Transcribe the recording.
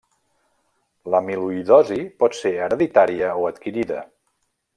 L'amiloïdosi pot ser hereditària o adquirida.